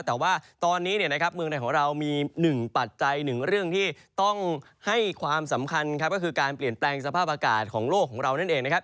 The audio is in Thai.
แต่ว่าตอนนี้เนี่ยนะครับเมืองไทยของเรามีหนึ่งปัจจัยหนึ่งเรื่องที่ต้องให้ความสำคัญครับก็คือการเปลี่ยนแปลงสภาพอากาศของโลกของเรานั่นเองนะครับ